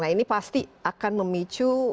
nah ini pasti akan memicu